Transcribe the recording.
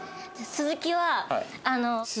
「鈴木は」？